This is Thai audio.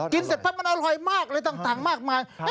กินเสร็จแป๊บมันอร่อยมากเลยต่างมากมาย